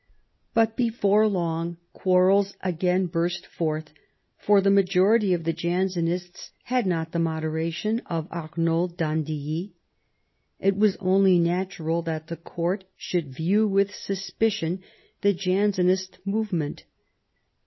But before long quarrels again burst forth, for the majority of the Jansenists had not the modera tion of Arnauld d'Andilly. It was only natural that the court should view with suspicion the Jansenist move ment.